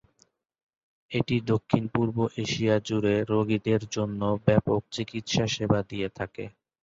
এটি দক্ষিণ-পূর্ব এশিয়া জুড়ে রোগীদের জন্য ব্যাপক চিকিৎসা সেবা দিয়ে থাকে।